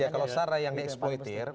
ya kalau sarah yang di eksploitir